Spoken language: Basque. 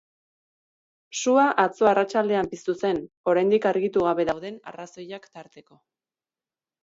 Sua atzo arratsaldean piztu zen, oraindik argitu gabe dauden arrazoiak tarteko.